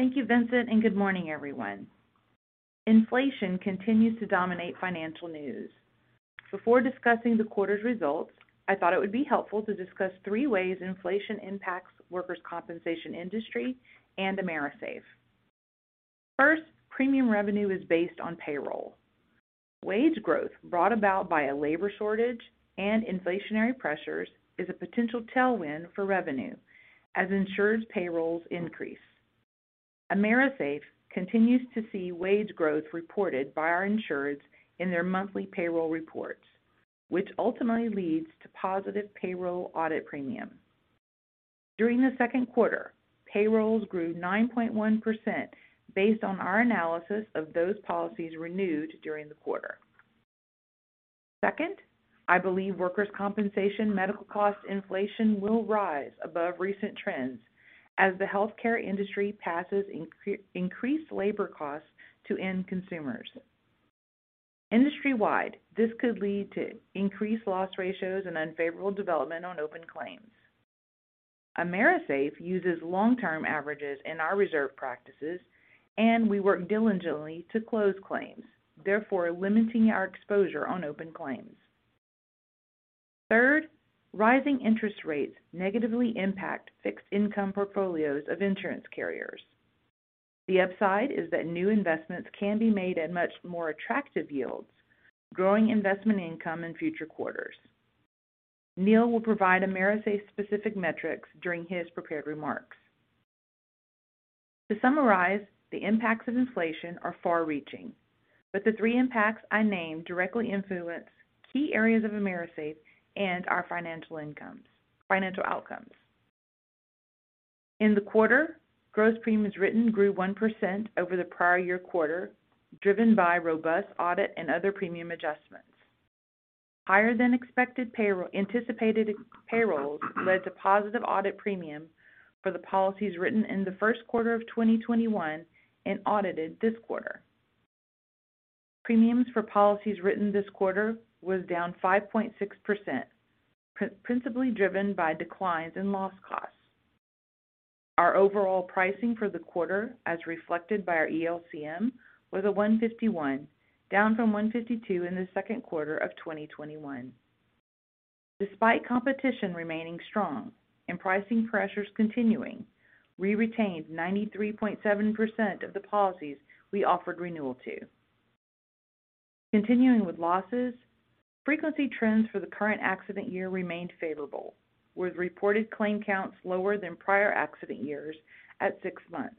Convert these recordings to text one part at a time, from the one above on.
Thank you, Vincent, and good morning, everyone. Inflation continues to dominate financial news. Before discussing the quarter's results, I thought it would be helpful to discuss three ways inflation impacts workers' compensation industry and AMERISAFE. First, premium revenue is based on payroll. Wage growth brought about by a labor shortage and inflationary pressures is a potential tailwind for revenue as insurers' payrolls increase. AMERISAFE continues to see wage growth reported by our insurers in their monthly payroll reports, which ultimately leads to positive payroll audit premium. During the second quarter, payrolls grew 9.1% based on our analysis of those policies renewed during the quarter. Second, I believe workers' compensation medical cost inflation will rise above recent trends as the healthcare industry passes increased labor costs to end consumers. Industry-wide, this could lead to increased loss ratios and unfavorable development on open claims. AMERISAFE uses long-term averages in our reserve practices, and we work diligently to close claims, therefore limiting our exposure on open claims. Third, rising interest rates negatively impact fixed income portfolios of insurance carriers. The upside is that new investments can be made at much more attractive yields, growing investment income in future quarters. Neal will provide AMERISAFE's specific metrics during his prepared remarks. To summarize, the impacts of inflation are far-reaching, but the three impacts I named directly influence key areas of AMERISAFE and our financial outcomes. In the quarter, gross premiums written grew 1% over the prior year quarter, driven by robust audit and other premium adjustments. Higher than anticipated payrolls led to positive audit premium for the policies written in the first quarter of 2021 and audited this quarter. Premiums for policies written this quarter was down 5.6%, principally driven by declines in loss costs. Our overall pricing for the quarter, as reflected by our ELCM, was 151, down from 152 in the second quarter of 2021. Despite competition remaining strong and pricing pressures continuing, we retained 93.7% of the policies we offered renewal to. Continuing with losses, frequency trends for the current accident year remained favorable, with reported claim counts lower than prior accident years at 6 months.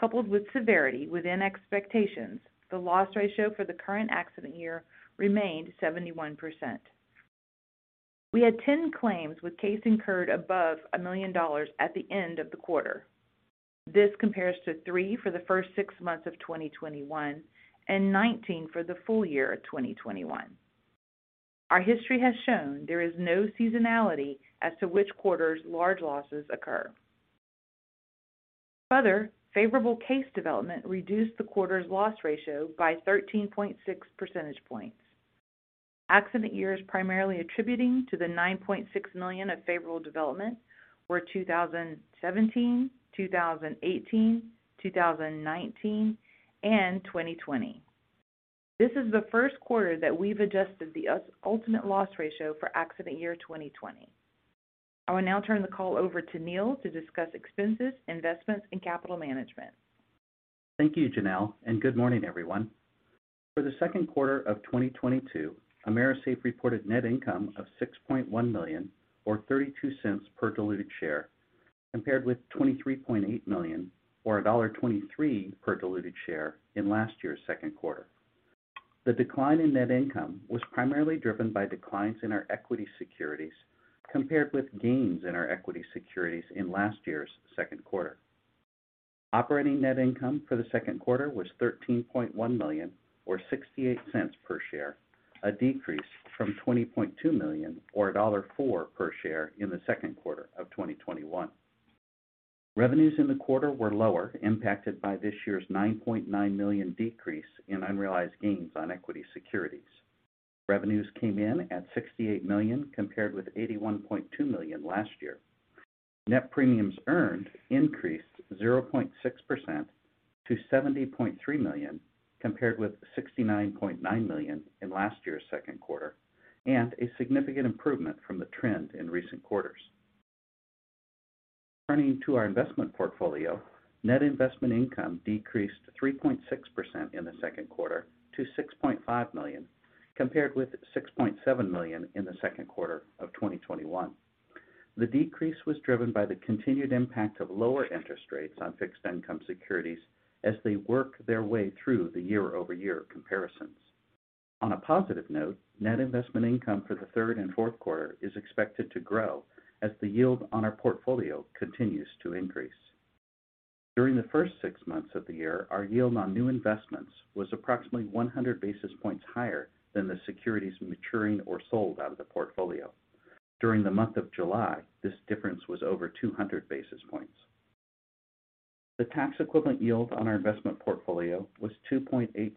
Coupled with severity within expectations, the loss ratio for the current accident year remained 71%. We had 10 claims with case incurred above $1 million at the end of the quarter. This compares to 3 for the first six months of 2021 and 19 for the full year of 2021. Our history has shown there is no seasonality as to which quarters large losses occur. Further, favorable case development reduced the quarter's loss ratio by 13.6 percentage points. Accident years primarily attributing to the $9.6 million of favorable development were 2017, 2018, 2019, and 2020. This is the first quarter that we've adjusted the assumed ultimate loss ratio for accident year 2020. I will now turn the call over to Neal to discuss expenses, investments, and capital management. Thank you, Janelle, and good morning, everyone. For the second quarter of 2022, AMERISAFE reported net income of $6.1 million, or $0.32 per diluted share, compared with $23.8 million, or $1.23 per diluted share in last year's second quarter. The decline in net income was primarily driven by declines in our equity securities compared with gains in our equity securities in last year's second quarter. Operating net income for the second quarter was $13.1 million, or $0.68 per share, a decrease from $20.2 million or $1.04 per share in the second quarter of 2021. Revenues in the quarter were lower, impacted by this year's $9.9 million decrease in unrealized gains on equity securities. Revenues came in at $68 million, compared with $81.2 million last year. Net premiums earned increased 0.6% to $70.3 million, compared with $69.9 million in last year's second quarter, and a significant improvement from the trend in recent quarters. Turning to our investment portfolio, net investment income decreased 3.6% in the second quarter to $6.5 million, compared with $6.7 million in the second quarter of 2021. The decrease was driven by the continued impact of lower interest rates on fixed income securities as they work their way through the year-over-year comparisons. On a positive note, net investment income for the third and fourth quarter is expected to grow as the yield on our portfolio continues to increase. During the first six months of the year, our yield on new investments was approximately 100 basis points higher than the securities maturing or sold out of the portfolio. During the month of July, this difference was over 200 basis points. The tax equivalent yield on our investment portfolio was 2.86%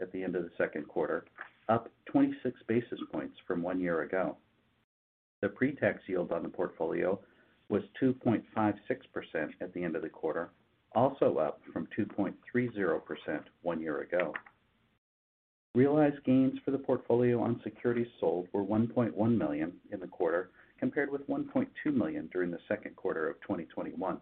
at the end of the second quarter, up 26 basis points from one year ago. The pre-tax yield on the portfolio was 2.56% at the end of the quarter, also up from 2.30% one year ago. Realized gains for the portfolio on securities sold were $1.1 million in the quarter, compared with $1.2 million during the second quarter of 2021.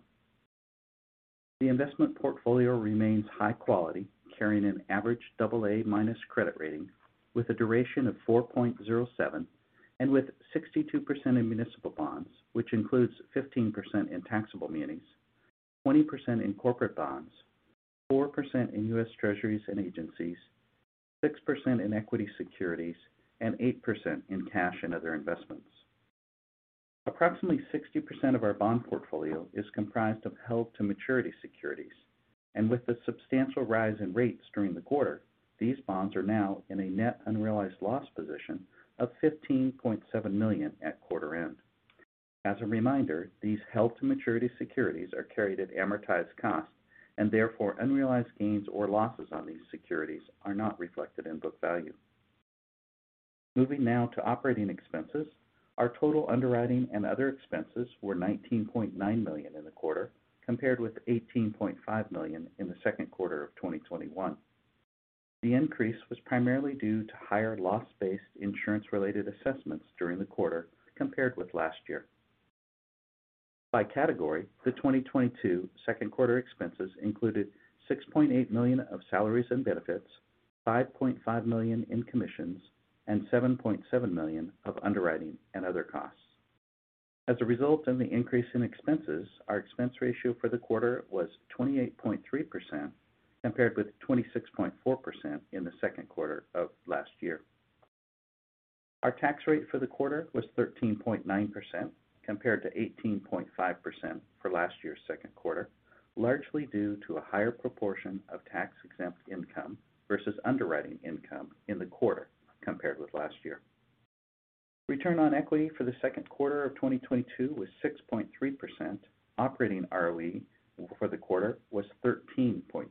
The investment portfolio remains high quality, carrying an average AA- credit rating with a duration of 4.07 and with 62% in municipal bonds, which includes 15% in taxable munis, 20% in corporate bonds, 4% in U.S. Treasuries and agencies, 6% in equity securities, and 8% in cash and other investments. Approximately 60% of our bond portfolio is comprised of held to maturity securities, and with the substantial rise in rates during the quarter, these bonds are now in a net unrealized loss position of $15.7 million at quarter end. As a reminder, these held to maturity securities are carried at amortized cost and therefore unrealized gains or losses on these securities are not reflected in book value. Moving now to operating expenses. Our total underwriting and other expenses were $19.9 million in the quarter, compared with $18.5 million in the second quarter of 2021. The increase was primarily due to higher loss-based insurance-related assessments during the quarter compared with last year. By category, the 2022 second quarter expenses included $6.8 million of salaries and benefits, $5.5 million in commissions, and $7.7 million of underwriting and other costs. As a result of the increase in expenses, our expense ratio for the quarter was 28.3%, compared with 26.4% in the second quarter of last year. Our tax rate for the quarter was 13.9%, compared to 18.5% for last year's second quarter, largely due to a higher proportion of tax-exempt income versus underwriting income in the quarter compared with last year. Return on equity for the second quarter of 2022 was 6.3%. Operating ROE for the quarter was 13.3%.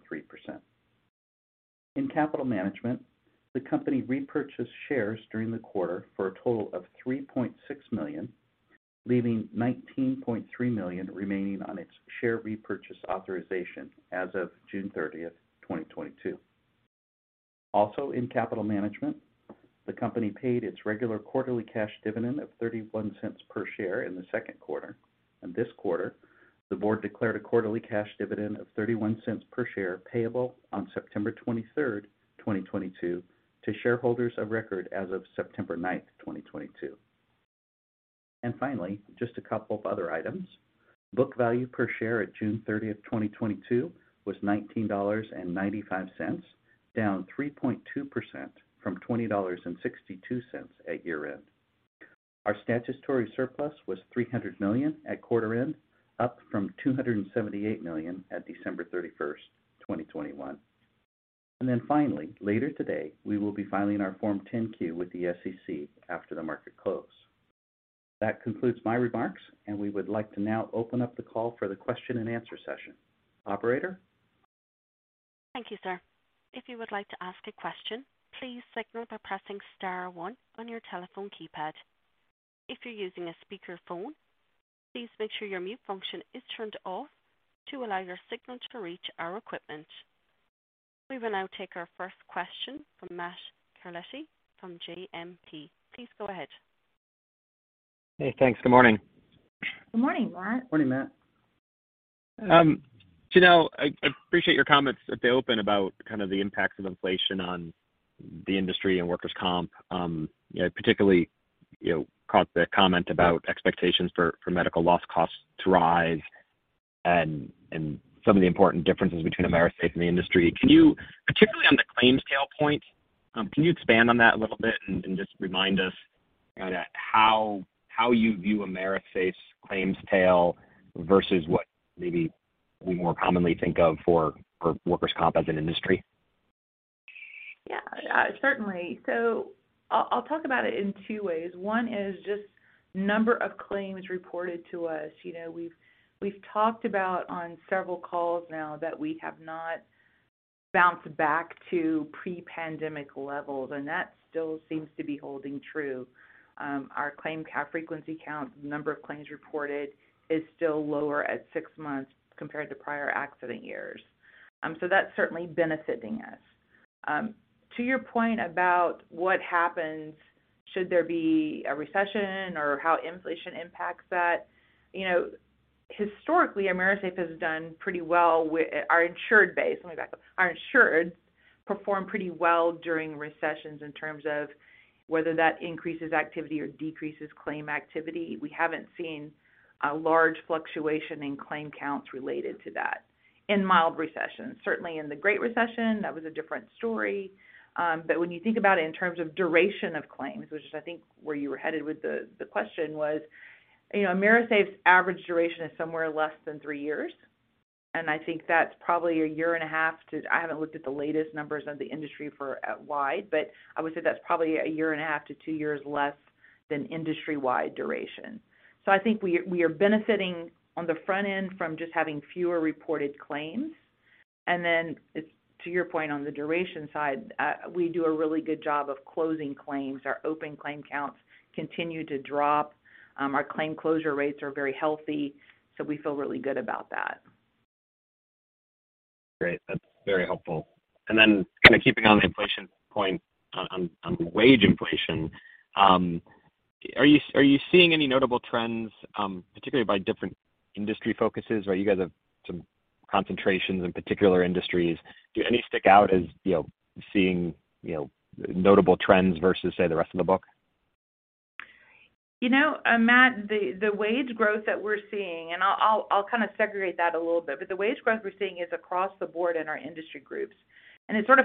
In capital management, the company repurchased shares during the quarter for a total of $3.6 million, leaving $19.3 million remaining on its share repurchase authorization as of June 30, 2022. Also in capital management, the company paid its regular quarterly cash dividend of $0.31 per share in the second quarter, and this quarter the board declared a quarterly cash dividend of $0.31 per share, payable on September 23, 2022 to shareholders of record as of September 9, 2022. Finally, just a couple of other items. Book value per share at June 30, 2022 was $19.95, down 3.2% from $20.62 at year-end. Our statutory surplus was $300 million at quarter end, up from $278 million at December 31, 2021. Then finally, later today, we will be filing our Form 10-Q with the SEC after the market close. That concludes my remarks and we would like to now open up the call for the question and answer session. Operator? Thank you, sir. If you would like to ask a question, please signal by pressing star one on your telephone keypad. If you're using a speakerphone, please make sure your mute function is turned off to allow your signal to reach our equipment. We will now take our first question from Matt Carletti from JMP. Please go ahead. Hey, thanks. Good morning. Good morning, Matt. Morning, Matt. Janelle, I appreciate your comments at the open about kind of the impacts of inflation on the industry and workers' comp, you know, particularly, you know, caught the comment about expectations for medical loss costs to rise and some of the important differences between AMERISAFE and the industry. Can you, particularly on the claims tail point, expand on that a little bit and just remind us kinda how you view AMERISAFE's claims tail versus what maybe we more commonly think of for workers' comp as an industry? Yeah, certainly. I'll talk about it in two ways. One is just number of claims reported to us. You know, we've talked about on several calls now that we have not bounced back to pre-pandemic levels, and that still seems to be holding true. Our claim frequency count, number of claims reported is still lower at six months compared to prior accident years. That's certainly benefiting us. To your point about what happens should there be a recession or how inflation impacts that, you know, historically, AMERISAFE has done pretty well with our insured base. Let me back up. Our insured perform pretty well during recessions in terms of whether that increases activity or decreases claim activity. We haven't seen a large fluctuation in claim counts related to that in mild recessions. Certainly in the Great Recession, that was a different story. When you think about it in terms of duration of claims, which is, I think, where you were headed with the question was, you know, AMERISAFE's average duration is somewhere less than three years, and I think that's probably a year and a half to. I haven't looked at the latest numbers of the industry-wide, but I would say that's probably a year and a half to two years less than industry-wide duration. I think we are benefiting on the front end from just having fewer reported claims. To your point on the duration side, we do a really good job of closing claims. Our open claim counts continue to drop. Our claim closure rates are very healthy, so we feel really good about that. Great. That's very helpful. Kind of keeping on the inflation point on wage inflation, are you seeing any notable trends, particularly by different industry focuses where you guys have some concentrations in particular industries? Do any stick out as, you know, seeing, you know, notable trends versus, say, the rest of the book? You know, Matt, the wage growth that we're seeing, and I'll kind of segregate that a little bit, but the wage growth we're seeing is across the board in our industry groups. It sort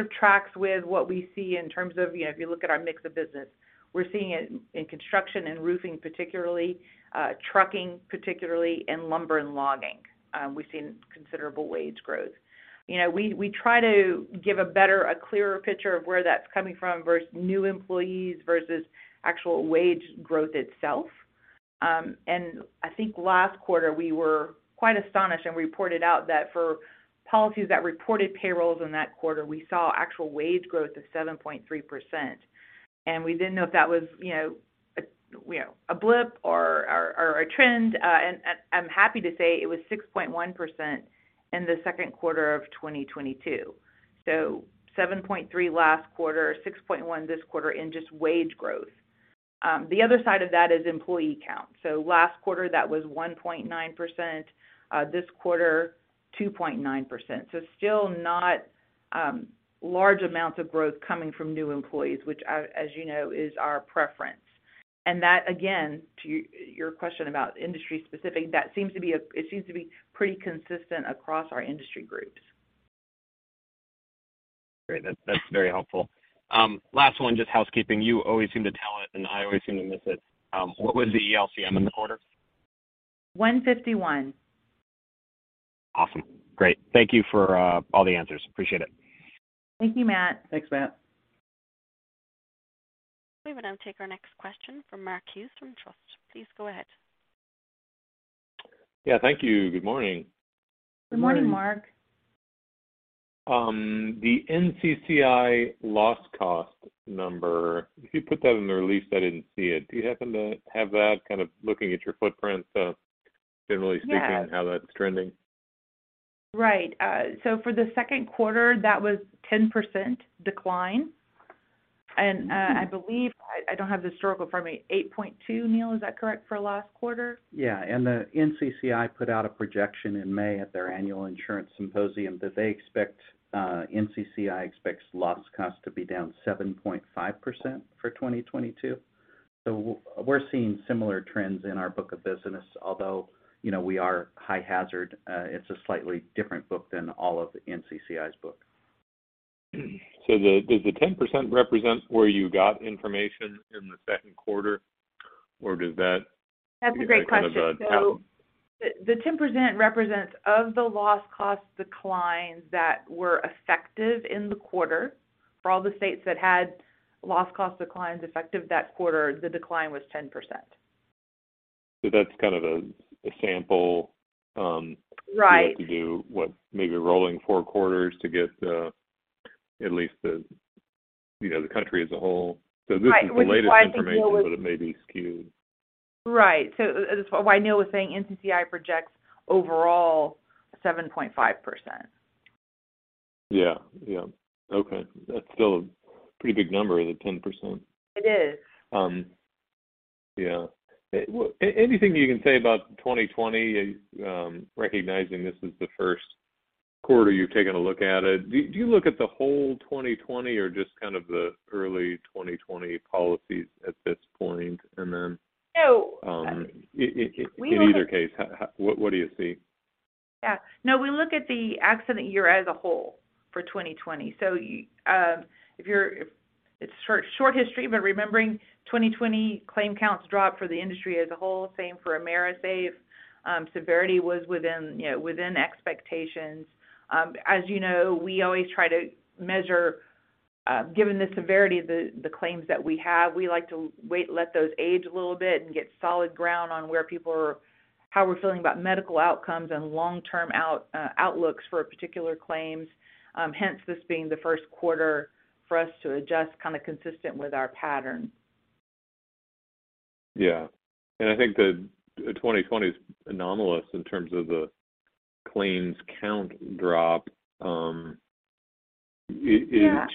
of tracks with what we see in terms of, you know, if you look at our mix of business. We're seeing it in construction and roofing particularly, trucking particularly, and lumber and logging, we've seen considerable wage growth. You know, we try to give a better, a clearer picture of where that's coming from versus new employees versus actual wage growth itself. I think last quarter, we were quite astonished and reported out that for policies that reported payrolls in that quarter, we saw actual wage growth of 7.3%. We didn't know if that was a blip or a trend. I'm happy to say it was 6.1% in the second quarter of 2022. 7.3% last quarter, 6.1% this quarter in just wage growth. The other side of that is employee count. Last quarter, that was 1.9%, this quarter, 2.9%. Still not large amounts of growth coming from new employees, which as you know, is our preference. That, again, to your question about industry-specific, seems to be pretty consistent across our industry groups. Great. That's very helpful. Last one, just housekeeping. You always seem to tell it, and I always seem to miss it. What was the ELCM in the quarter? 151. Awesome. Great. Thank you for all the answers. Appreciate it. Thank you, Matt. Thanks, Matt. We will now take our next question from Mark Hughes from Truist. Please go ahead. Yeah, thank you. Good morning. Good morning. Morning. The NCCI loss cost number, if you put that in the release, I didn't see it. Do you happen to have that, generally speaking? Yeah How that's trending? Right. For the second quarter, that was 10% decline. I believe I don't have the historical in front of me, 8.2, Neal, is that correct for last quarter? Yeah. The NCCI put out a projection in May at their annual insurance symposium that NCCI expects loss costs to be down 7.5% for 2022. We're seeing similar trends in our book of business, although, you know, we are high hazard, it's a slightly different book than all of NCCI's book. Does the 10% represent where you got information in the second quarter, or does that- That's a great question. kind of The 10% represents of the loss cost declines that were effective in the quarter. For all the states that had loss cost declines effective that quarter, the decline was 10%. That's kind of a sample. Right You have to do what, maybe rolling 4 quarters to get at least the, you know, the country as a whole. Right. Which is why I think Neal was. This is the latest information, but it may be skewed. Right. That's why Neal was saying NCCI projects overall 7.5%. Yeah. Yeah. Okay. That's still a pretty big number, the 10%. It is. Yeah. Well, anything you can say about 2020, recognizing this is the first quarter you're taking a look at it. Do you look at the whole 2020 or just kind of the early 2020 policies at this point? We look at In either case, what do you see? Yeah. No, we look at the accident year as a whole for 2020. If it's short history, but remembering 2020 claim counts dropped for the industry as a whole, same for AMERISAFE. Severity was within, you know, within expectations. As you know, we always try to measure, given the severity of the claims that we have, we like to wait, let those age a little bit and get solid ground on where people are, how we're feeling about medical outcomes and long-term outlooks for particular claims. Hence this being the first quarter for us to adjust kind of consistent with our pattern. Yeah. I think the 2020 is anomalous in terms of the claims count drop. Yeah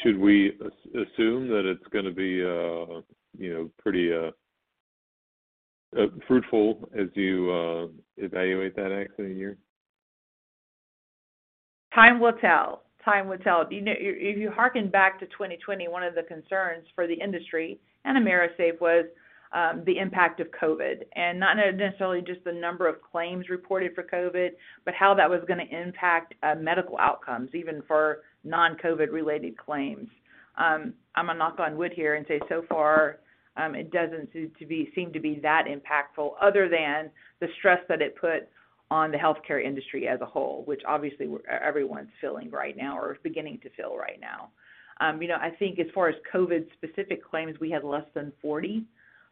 should we assume that it's gonna be, you know, pretty fruitful as you evaluate that accident year? Time will tell. Time will tell. You know, if you harken back to 2020, one of the concerns for the industry and AMERISAFE was the impact of COVID, and not necessarily just the number of claims reported for COVID, but how that was gonna impact medical outcomes, even for non-COVID related claims. I'm gonna knock on wood here and say so far, it doesn't seem to be that impactful other than the stress that it put on the healthcare industry as a whole, which obviously everyone's feeling right now or is beginning to feel right now. You know, I think as far as COVID-specific claims, we had less than 40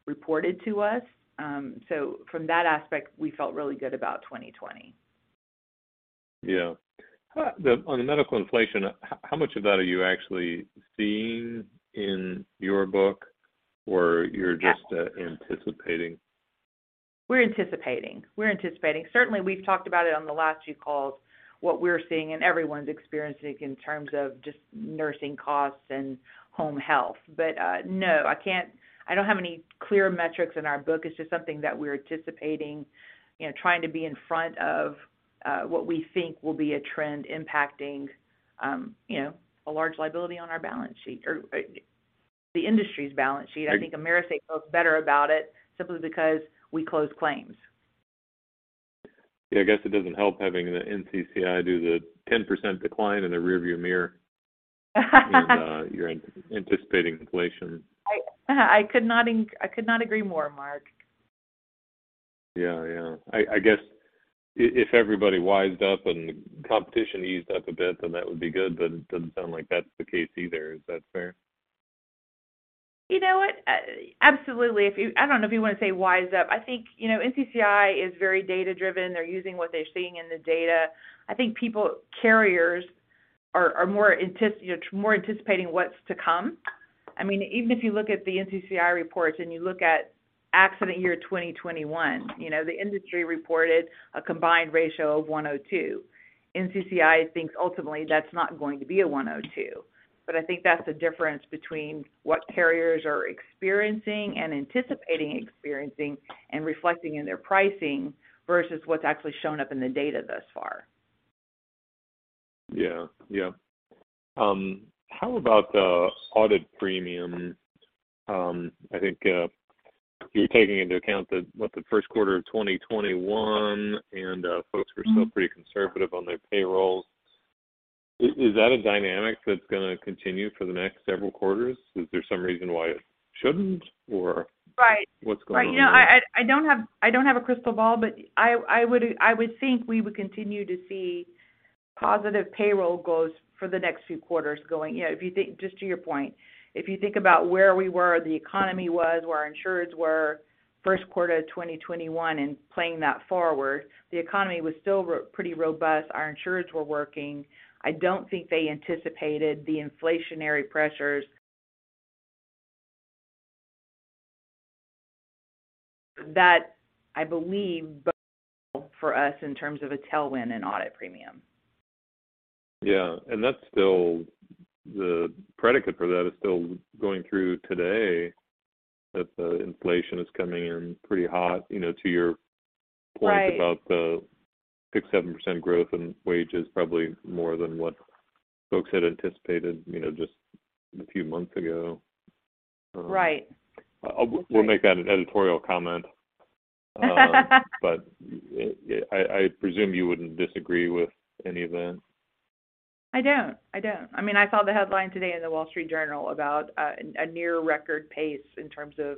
reported to us. From that aspect, we felt really good about 2020. Yeah. On the medical inflation, how much of that are you actually seeing in your book or you're just- Yeah anticipating? We're anticipating. Certainly, we've talked about it on the last two calls, what we're seeing and everyone's experiencing in terms of just nursing costs and home health. But, no, I can't. I don't have any clear metrics in our book. It's just something that we're anticipating, you know, trying to be in front of, what we think will be a trend impacting, you know, a large liability on our balance sheet or the industry's balance sheet. I- I think AMERISAFE feels better about it simply because we close claims. Yeah, I guess it doesn't help having the NCCI's 10% decline in the rearview mirror. You're anticipating inflation. I could not agree more, Mark. Yeah. I guess if everybody wised up and competition eased up a bit, then that would be good, but it doesn't sound like that's the case either. Is that fair? You know what? Absolutely. I don't know if you wanna say wise up. I think, you know, NCCI is very data-driven. They're using what they're seeing in the data. I think carriers are more anticipating what's to come. I mean, even if you look at the NCCI reports and you look at accident year 2021, you know, the industry reported a combined ratio of 102. NCCI thinks ultimately that's not going to be a 102. I think that's the difference between what carriers are experiencing and anticipating experiencing and reflecting in their pricing versus what's actually shown up in the data thus far. Yeah. How about the audit premium? I think you're taking into account what the first quarter of 2021 and, folks were still pretty conservative on their payrolls. Is that a dynamic that's gonna continue for the next several quarters? Is there some reason why it shouldn't or- Right What's going on there? Right. No, I don't have a crystal ball, but I would think we would continue to see positive payroll growth for the next few quarters. You know, if you think, just to your point, if you think about where we were, the economy was, where our insureds were first quarter of 2021 and playing that forward, the economy was still pretty robust. Our insureds were working. I don't think they anticipated the inflationary pressures. That, I believe, both for us in terms of a tailwind and audit premium. Yeah. The predicate for that is still going through today, that the inflation is coming in pretty hot, you know, to your point. Right about the 6%-7% growth in wages, probably more than what folks had anticipated, you know, just a few months ago. Right. We'll make that an editorial comment. I presume you wouldn't disagree with any of that. I don't. I mean, I saw the headline today in The Wall Street Journal about a near record pace in terms of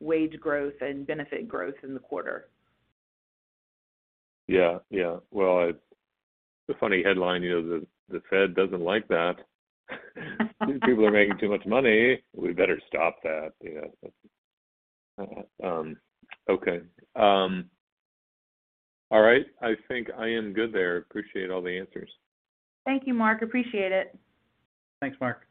wage growth and benefit growth in the quarter. Yeah. Well, the funny headline, you know, the Fed doesn't like that. These people are making too much money. We better stop that, you know? Okay. All right. I think I am good there. Appreciate all the answers. Thank you, Mark. Appreciate it. Thanks, Mark.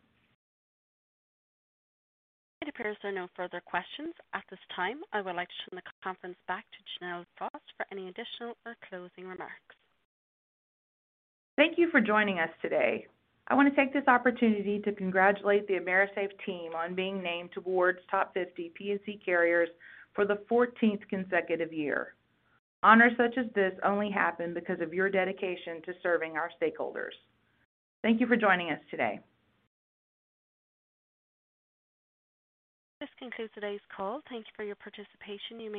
It appears there are no further questions. At this time, I would like to turn the conference back to Janelle Frost for any additional or closing remarks. Thank you for joining us today. I want to take this opportunity to congratulate the AMERISAFE team on being named to the top 50 P&C carriers for the fourteenth consecutive year. Honors such as this only happen because of your dedication to serving our stakeholders. Thank you for joining us today. This concludes today's call. Thank you for your participation. You may dis-